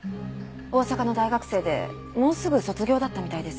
大阪の大学生でもうすぐ卒業だったみたいです。